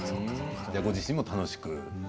ご自身も楽しく。